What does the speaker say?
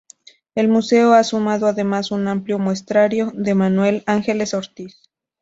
El Museo ha sumado además un amplio muestrario de Manuel Ángeles Ortiz.